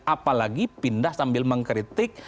apalagi pindah sambil mengkritik